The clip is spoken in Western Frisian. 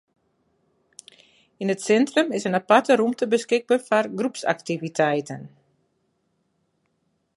Yn it sintrum is in aparte rûmte beskikber foar groepsaktiviteiten.